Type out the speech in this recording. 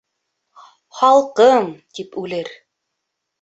«Халҡым» тип үлер.